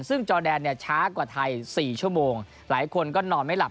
ซึ่งจอแดนเนี่ยช้ากว่าไทย๔ชั่วโมงหลายคนก็นอนไม่หลับ